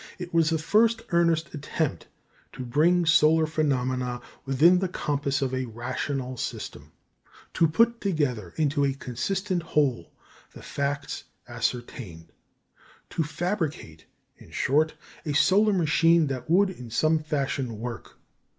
It was the first earnest attempt to bring solar phenomena within the compass of a rational system; to put together into a consistent whole the facts ascertained; to fabricate, in short, a solar machine that would in some fashion work.